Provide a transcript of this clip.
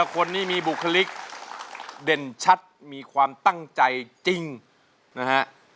คนนี้มีบุคลิกเด่นชัดมีความตั้งใจจริงนะฮะ